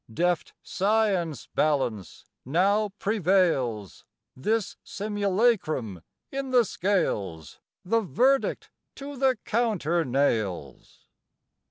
Deft science' balance now prevails This simulacrum in the scales, The verdict to the counter nails.